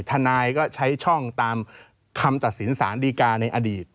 ทนายก็ใช้ช่องตามคำตัดสินสารดีกาในอดีต